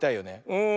うん。